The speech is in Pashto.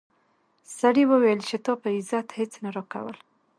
سړي وویل چې تا په عزت هیڅ نه راکول.